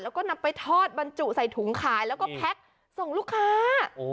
แล้วก็นำไปทอดบรรจุใส่ถุงขายแล้วก็แพ็คส่งลูกค้า